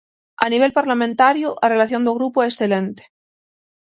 A nivel parlamentario a relación do grupo é excelente.